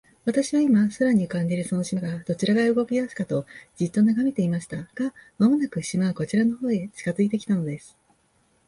私は、今、空に浮んでいるその島が、どちら側へ動きだすかと、じっと眺めていました。が、間もなく、島はこちらの方へ近づいて来たのです。